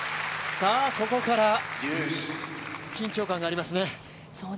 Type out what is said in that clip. ここから緊張感がありますね。